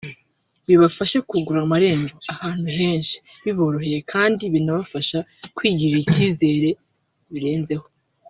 bibafashe kugurura amarembo ahantu henshi biboroheye kandi binabafasha kwigirira icyizere birenzeho